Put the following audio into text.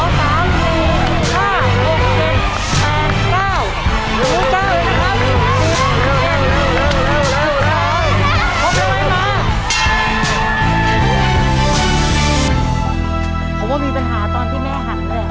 ผมว่ามีปัญหาตอนที่แม่หันเลย